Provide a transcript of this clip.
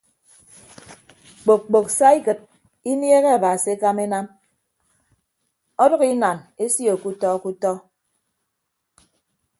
Kpok kpok saikịd inieehe aba se ekama enam ọdʌk inan esio kutọ kutọ.